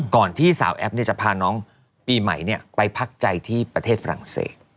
ก่อนที่สาวแอปเนี่ยจะพาน้องปีใหม่เนี่ยไปพักใจที่ประเทศฝรั่งเศส